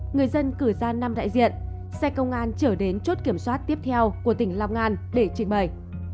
người dân cử ra năm đại diện xe công an trở đến chốt kiểm soát tiếp theo của tỉnh long an để trình bày